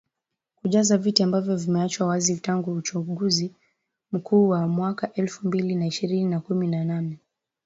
kujaza viti ambavyo vimeachwa wazi tangu uchaguzi mkuu wa mwaka elfu mbili na ishirini na kumi na nane